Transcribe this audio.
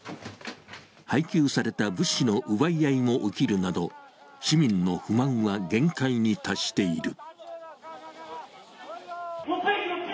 配給された物資の奪い合いも起きるなど、市民の不満は限界に達している。